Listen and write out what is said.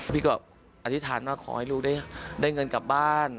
พี่ก็อธิษฐานว่าขอให้ลูกได้เงินกลับบ้าน